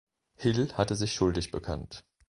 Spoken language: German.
Hill hatte sich schuldig bekannt.